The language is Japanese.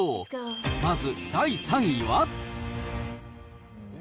まず第３位は。